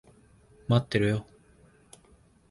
待ってろよ。